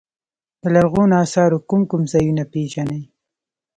د لرغونو اثارو کوم کوم ځایونه پيژنئ.